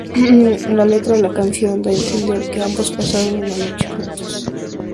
La letra de la canción da a entender que ambos pasaron una noche juntos.